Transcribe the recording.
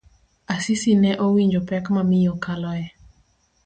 Asisi ne owinjo pek ma miyo kaloe.